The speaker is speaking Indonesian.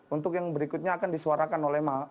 untuk yang berikutnya akan disuarakan oleh mahasiswa itu